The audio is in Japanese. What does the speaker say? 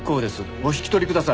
お引き取りください。